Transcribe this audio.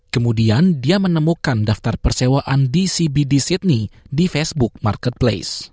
kemudian dia menemukan daftar persewaan dcbd sydney di facebook marketplace